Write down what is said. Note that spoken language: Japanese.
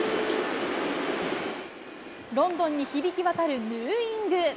ロンドンに響き渡るヌーイング。